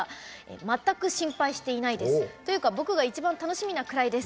全く心配していないです。というか、僕が一番楽しみなくらいです。